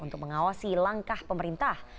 untuk mengawasi langkah pemerintah